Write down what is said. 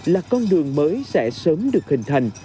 là con đường mới sẽ sớm được hình thành